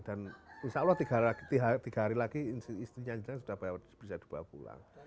dan insya allah tiga hari lagi istrinya sudah bisa dibawa pulang